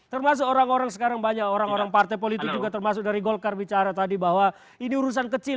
termasuk orang orang sekarang banyak orang orang partai politik juga termasuk dari golkar bicara tadi bahwa ini urusan kecil